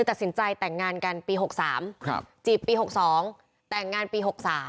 ตัดสินใจแต่งงานกันปี๖๓จีบปี๖๒แต่งงานปี๖๓